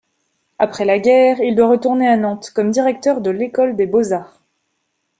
Après la guerre, il doit retourner à Nantes comme directeur de l’École des beaux-arts.